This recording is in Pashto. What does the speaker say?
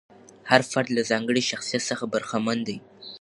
هر فرد له ځانګړي شخصیت څخه برخمن دی.